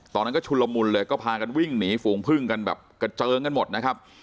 ตอนนั้นก็ชุนละมุนเลยก็พากันวิ่งหนีฝูงพึ่งกันแบบกระเจิงกันหมดนะครับ